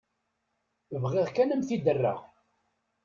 Bɣiɣ kan ad m-t-id-rreɣ.